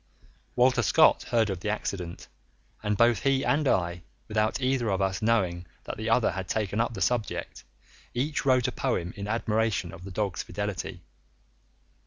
Walter Scott heard of the accident, and both he and I, without either of us knowing that the other had taken up the subject, each wrote a poem in admiration of the dog's fidelity.